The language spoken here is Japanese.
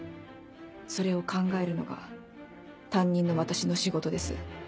それを考えるのが担任の私の仕事です。